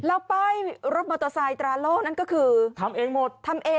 แล้วไปรถมอเตอร์ไซค์ตราโลกนั้นก็คือทำเองหมด